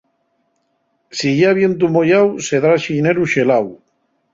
Si ye avientu moyáu sedrá xineru xeláu.